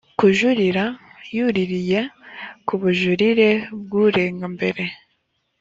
kujurira yuririye ku bujurire bw urega mbere